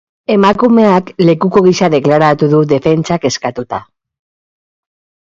Emakumeak lekuko gisa deklaratu du, defentsak eskatuta.